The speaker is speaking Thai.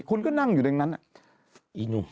คุณก็นั่งอยู่ดังเนี้ย